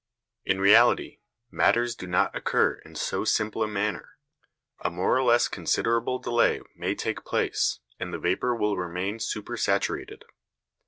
In reality, matters do not occur in so simple a manner. A more or less considerable delay may take place, and the vapour will remain supersaturated.